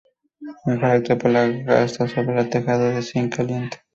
Mejor Actor por La gata sobre el tejado de Zinc Caliente.